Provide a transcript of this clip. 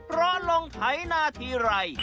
เพราะลงไถนาทีไร